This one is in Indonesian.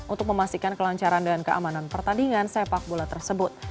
untuk memastikan kelancaran dan keamanan pertandingan sepak bola tersebut